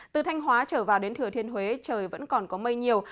từ thanh hóa trở vào đến thừa thiên huế trời vẫn còn có mây nhiều